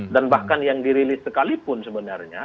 dan bahkan yang dirilis sekalipun sebenarnya